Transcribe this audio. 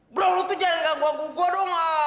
bro lo tuh jangan ganggu ganggu gua dong